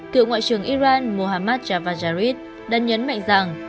cựu ngoại trưởng iran mohammad javajarid đã nhấn mạnh rằng